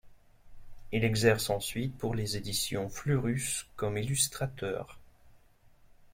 Il exerce ensuite pour les éditions Fleurus comme illustrateur.